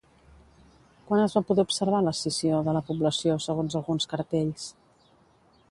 Quan es va poder observar l'escissió de la població, segons alguns cartells?